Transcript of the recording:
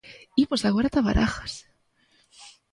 Imos agora ata Barajas.